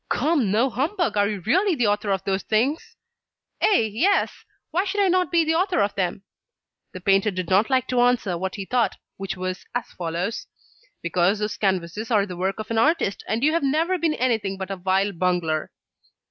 "Come, no humbug, are you really the author of those things?" "Eh! Yes. Why should I not be the author of them?" The painter did not like to answer what he thought, which was as follows: "Because those canvases are the work of an artist, and you have never been anything but a vile bungler."